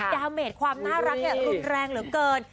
ดาวเมดความน่ารักรุนแรงเหลือเกิน